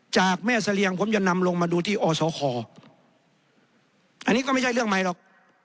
จากแม่เสลียงผมจะนำลงมาดูที่อสคอันนี้ก็ไม่ใช่เรื่องใหม่หรอก